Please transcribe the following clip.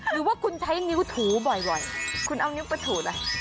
หรือว่าคุณใช้นิ้วถูบ่อยคุณเอานิ้วไปถูอะไร